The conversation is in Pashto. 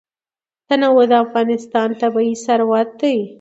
تنوع د افغانستان طبعي ثروت دی.